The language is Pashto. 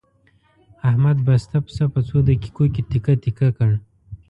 احمد بسته پسه په څو دقیقو کې تکه تکه کړ.